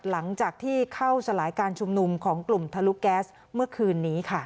หลังจากที่เข้าสลายการชุมนุมของกลุ่มทะลุแก๊สเมื่อคืนนี้ค่ะ